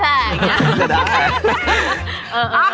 จะได้